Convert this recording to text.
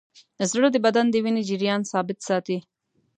زړه د بدن د وینې جریان ثابت ساتي.